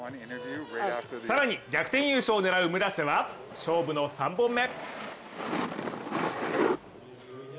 更に逆転優勝を狙う村瀬は勝負の３本目。